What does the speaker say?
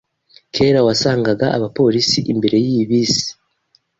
Kera wasangaga abapolisi imbere yiyi bisi.